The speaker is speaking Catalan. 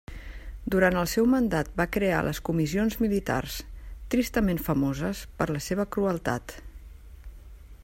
Durant el seu mandat va crear les comissions militars, tristament famoses per la seva crueltat.